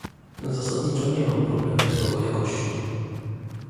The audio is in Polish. Zasadniczo nie mam problemu z logo jakości